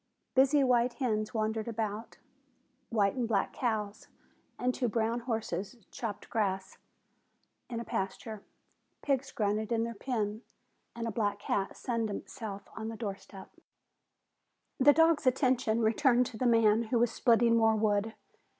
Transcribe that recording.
Busy white hens wandered about. White and black cows and two brown horses cropped grass in a pasture. Pigs grunted in their pen and a black cat sunned itself on the door step. The dog's attention returned to the man who was splitting more wood.